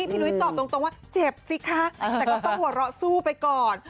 พี่นุ้ยตอบตรงว่าเจ็บสิคะแต่ก็ต้องหัวเราะสู้ไปก่อน